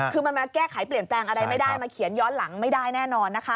คือมันมาแก้ไขเปลี่ยนแปลงอะไรไม่ได้มาเขียนย้อนหลังไม่ได้แน่นอนนะคะ